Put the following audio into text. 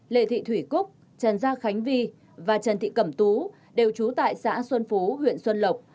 lê thị thủy cúc trần gia khánh vi và trần thị cẩm tú đều trú tại xã xuân phú huyện xuân lộc